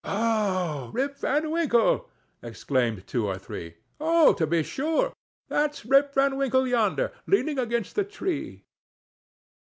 "Oh, Rip Van Winkle!" exclaimed two or three. "Oh, to be sure! that's Rip Van Winkle yonder, leaning against the tree."